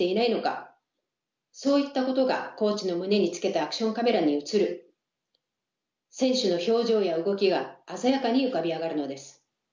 そういったことがコーチの胸につけたアクションカメラに映る選手の表情や動きが鮮やかに浮かび上がるのです。